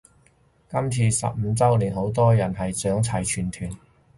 今次十五周年好多人係想齊全團